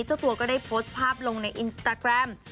เจ้าตัวก็ได้โพสต์ภาพลงในอินสตาแกรม